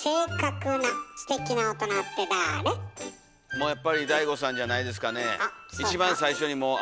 もうやっぱりＤＡＩＧＯさんじゃないですかね。